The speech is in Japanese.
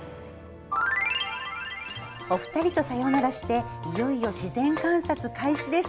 お二人とさよならしていよいよ、自然観察開始です。